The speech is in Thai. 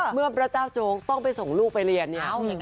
เมื่อบรรจาวโจ๊กต้องไปส่งลูกไปเรียน